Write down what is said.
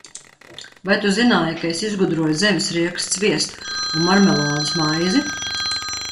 Vai tu zināji, ka es izgudroju zemesriekstu sviesta un marmelādes maizi?